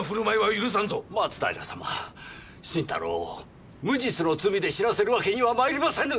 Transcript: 松平様新太郎を無実の罪で死なせるわけには参りませぬ！